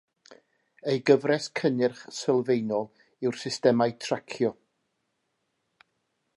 Ei gyfres cynnyrch sylfaenol yw'r systemau tracio.